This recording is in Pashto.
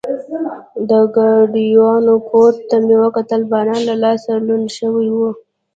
د ګاډیوان کوټ ته مې وکتل، باران له لاسه لوند شوی و.